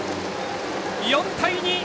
４対２！